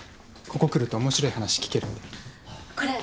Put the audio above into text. ここ来ると面白い話聞けるんで。